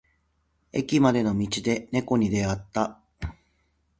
駅までの道で猫に出会った。